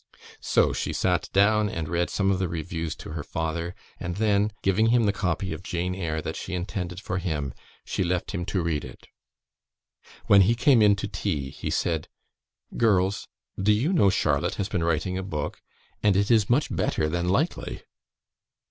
So she sate down and read some of the reviews to her father; and then, giving him the copy of "Jane Eyre" that she intended for him, she left him to read it. When he came in to tea, he said, "Girls, do you know Charlotte has been writing a book, and it is much better than likely?"